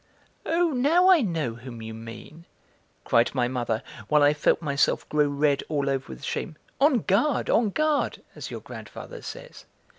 "Oh, now I know whom you mean," cried my mother, while I felt myself grow red all over with shame. "On guard! on guard! as your grandfather says.